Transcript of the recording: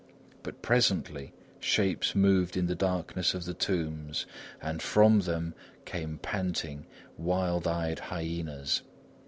But presently, shapes moved in the darkness of the tombs, and from them came panting, wild eyed hyenas.